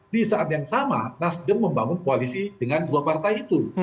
di saat yang sama nasdem membangun koalisi dengan dua partai itu